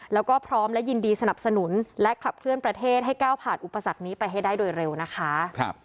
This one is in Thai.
แล้วก็พร้อมและยินดีสนับสนุนและขับเคลื่อนประเทศให้ก้าวผ่านอุปสรรคนี้ไปให้ได้โดยเร็วนะคะ